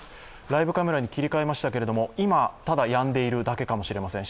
ライブカメラに切り替えましたけれども、今、ただやんでいるだけかもしれません。